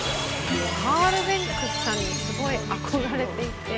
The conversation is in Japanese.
カール・ベンクスさんにすごい憧れていて。